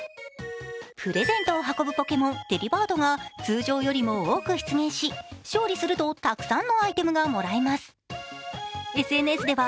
プレゼントを運ぶポケモン、デリバードが通常よりも多く出現し、勝利するとたくさんのアイテムがもらえます。